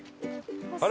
あれ？